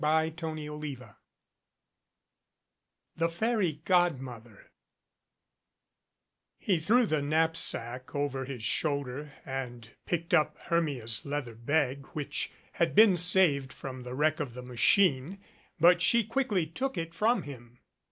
CHAPTER XII THE FAIRY GODMOTHER HE threw the knapsack over his shoulder and picked up Hermia's leather bag which had been saved from the wreck of the machine, but she quickly took it from him.